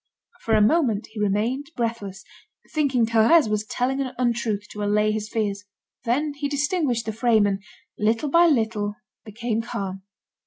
For a moment, he remained breathless, thinking Thérèse was telling an untruth to allay his fears. Then he distinguished the frame, and little by little became calm.